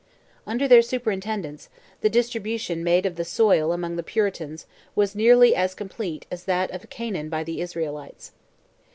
Under their superintendence, the distribution made of the soil among the Puritans "was nearly as complete as that of Canaan by the Israelites."